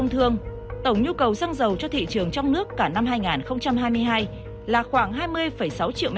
tổng nhu cầu xăng dầu cho thị trường trong nước là khoảng hai mươi sáu triệu m ba